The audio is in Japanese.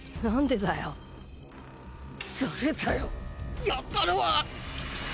誰だよやったのは！